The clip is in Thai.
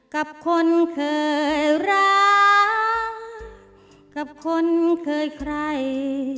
กับคนเคยรักกับคนเคยใคร